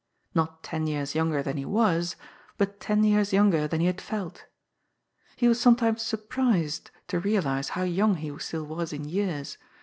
Not ten years younger than he was, but ten years younger than he had felt. He was sometimes surprised to realize how young he still was in years.